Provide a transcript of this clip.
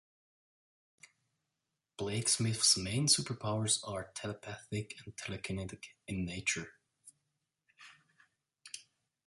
Blaquesmith's main superpowers are telepathic and telekinetic in nature.